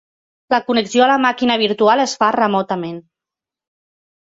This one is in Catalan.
La connexió a la màquina virtual es fa remotament.